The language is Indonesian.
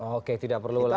oke tidak perlu lagi